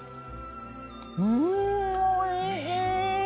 うんおいしい！